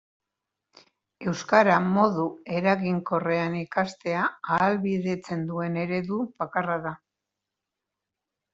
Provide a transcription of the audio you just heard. Euskara modu eraginkorrean ikastea ahalbidetzen duen eredu bakarra da.